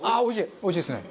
おいしいですね。